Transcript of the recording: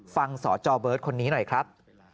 สจเบิร์ตคนนี้หน่อยครับ